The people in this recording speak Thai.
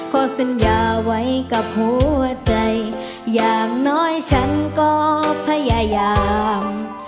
ขอสัญญาไว้กับหัวใจอย่างน้อยฉันก็พยายาม